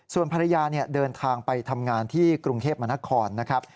ส่วนภรรยาเดินทางไปทำงานที่กรุงเทพมนครนะครับ